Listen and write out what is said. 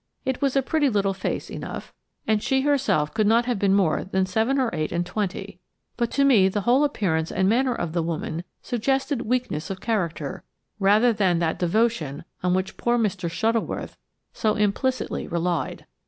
It was a pretty little face enough, and she herself could not have been much more than seven or eight and twenty, but to me the whole appearance and manner of the woman suggested weakness of character, rather than that devotion on which poor Mr. Shuttleworth so implicitly relied.